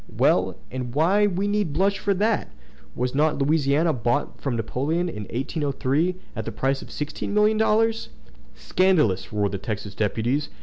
"Well! and why need we blush for that? Was not Louisiana bought from Napoleon in 1803 at the price of sixteen million dollars?" "Scandalous!" roared the Texas deputies.